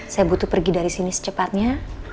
saya butuh pergi dari sini secepatnya